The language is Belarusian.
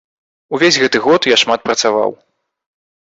Увесь гэты год я шмат працаваў.